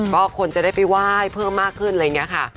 ก็คนจะได้ไปไหว้เพิ่มมากขึ้นอะไรอย่างนี้ค่ะ